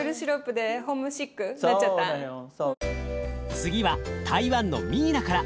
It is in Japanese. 次は台湾のミーナから。